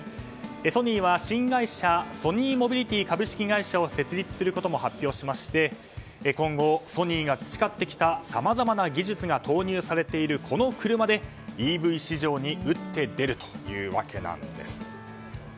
ソニーは新会社ソニーモビリティ株式会社を設立することも発表しまして今後、ソニーが培ってきたさまざまな技術が投入されている、この車でＥＶ市場に打って出るというわけなんです。